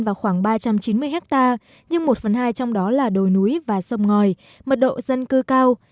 vào khoảng ba trăm chín mươi hectare nhưng một phần hai trong đó là đồi núi và sông ngòi mật độ dân cư cao